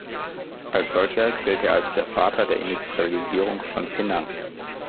Als solcher gilt er als der Vater der Industrialisierung von Penang.